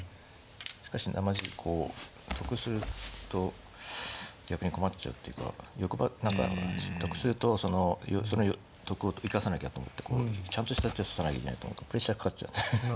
しかしなまじこう得すると逆に困っちゃうっていうか何か得するとそのその得を生かさなきゃと思ってこうちゃんとした手指さなきゃいけないと思うからプレッシャーかかっちゃう。